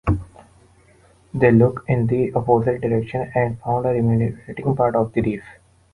They looked in the opposite direction and found a remunerating part of the reef.